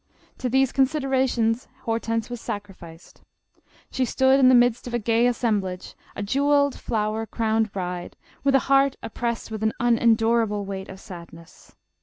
To these considerations, Hortense was sacrificed. She stood in the midst of a gay assemblage, a jewelled, flower crowned bride, with a heart oppressed with an unendurable weight of sadness.